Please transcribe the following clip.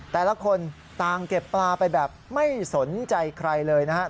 แต่ละคนต่างเก็บปลาไปแบบไม่สนใจใครเลยนะครับ